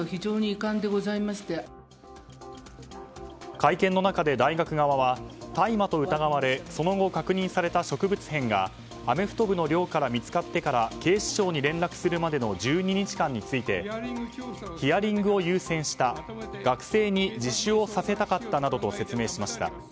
会見の中で大学側は大麻と疑われその後、確認された植物片がアメフト部の寮から見つかってから警視庁に連絡するまでの１２日間についてヒアリングを優先した学生に自首をさせたかったなどと説明しました。